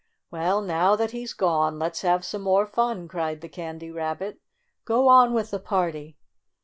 "Well, now that he's gone, let's have some more fun," cried the Candy Rabbit. "Go on with the party."